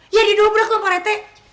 ya didobrak perempuan